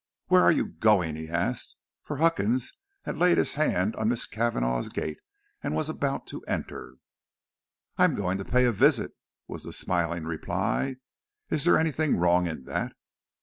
"Where are you going?" he asked; for Huckins had laid his hand on Miss Cavanagh's gate and was about to enter. "I am going to pay a visit," was the smiling reply. "Is there anything wrong in that?"